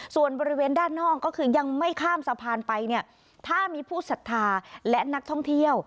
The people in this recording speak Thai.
ส่วนบริเวณด้านนอกก็คือยังไม่ข้ามสะพานไปเนี่ยถ้ามีผู้ศรัทธาและนักท่องเที่ยว